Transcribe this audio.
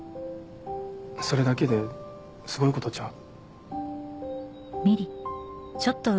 それだけですごいことちゃう？